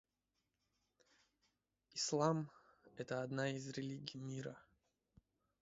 Ислам — это религия мира.